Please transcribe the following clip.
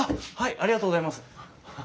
ありがとうございます。